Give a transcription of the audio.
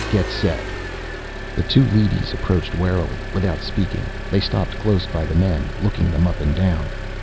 Get set." The two leadys approached warily. Without speaking, they stopped close by the men, looking them up and down.